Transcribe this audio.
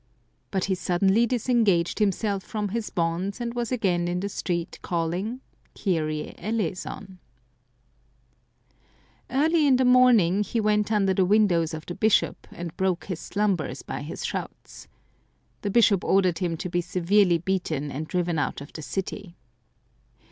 But he suddenly disengaged 192 Some Crazy Saints himself from his bonds, and was again in the street, calling, " Kyrie eleison !" Early in the morning he went under the windows of the bishop, and broke his slumbers by his shouts. The bishop ordered him to be severely beaten and driven out of the city.